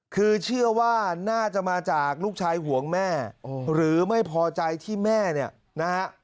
คือเชื่อว่าน่าจะมาจากลูกชายห่วงแม่หรือไม่พอใจที่แม่เนี่ยนะฮะ